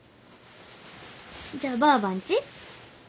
じゃあばあばんち？